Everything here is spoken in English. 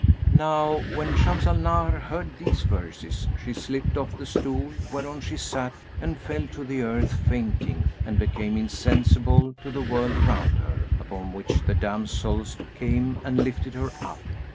"[FN#191] Now when Shams al Nahar heard these verses she slipped off the stool whereon she sat and fell to the earth fainting and became insensible to the world around her; upon which the damsels came and lifted her up.